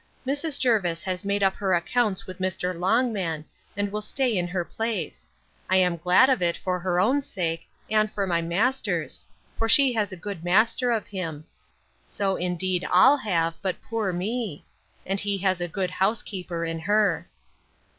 Mrs. Jervis has made up her accounts with Mr. Longman, and will stay in her place. I am glad of it, for her own sake, and for my master's; for she has a good master of him; so indeed all have, but poor me—and he has a good housekeeper in her.